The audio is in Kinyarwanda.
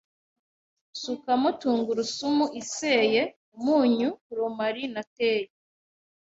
Sukamo tungurusumu iseye, umunyu, romarin na teyi